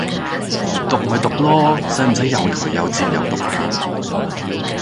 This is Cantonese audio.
毒咪毒囉，使唔使又頹又摺又毒啊